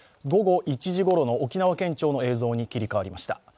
午後１時頃の沖縄県庁の映像に切り替わりました。